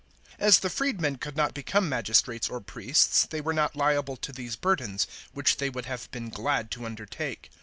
As the freedmeti could not become magistrates or priests, they were not liable to these burdens, which they would have been glad to undertake.